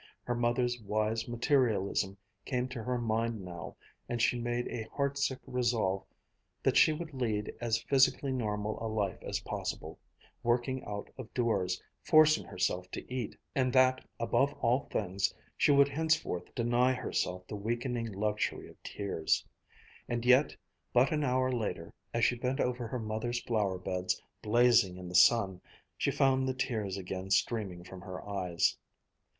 Her mother's wise materialism came to her mind now and she made a heartsick resolve that she would lead as physically normal a life as possible, working out of doors, forcing herself to eat, and that, above all things, she would henceforth deny herself the weakening luxury of tears. And yet but an hour later, as she bent over her mother's flower beds blazing in the sun, she found the tears again streaming from her eyes.